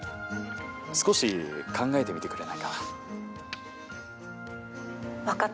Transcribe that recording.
少し考えてみてくれないかな？